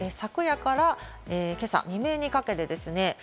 昨夜から今朝未明にかけてですね。